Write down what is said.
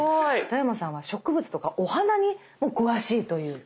田山さんは植物とかお花にも詳しいという。